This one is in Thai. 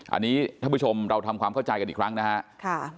อันนี้ท่านผู้ชมเราทำความเข้าใจกันอีกครั้งนะครับ